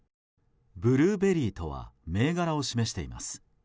ブルーベリーとは銘柄を示しています。